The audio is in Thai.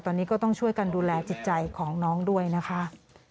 ตอนนี้ก็ต้องช่วยกันดูแลจิตใจของน้องด้วยนะคะ